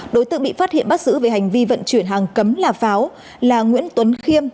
đối tượng bị phát hiện bắt giữ về hành vi vận chuyển hàng cấm là pháo là nguyễn tuấn khiêm